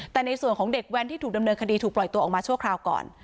แต่ในส่วนของเด็กแว้นที่ถูกดำเนินคดีถูกปล่อยตัวออกมาชั่วคราวก่อน